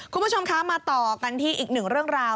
คุณผู้ชมคะมาต่อกันที่อีกหนึ่งเรื่องราว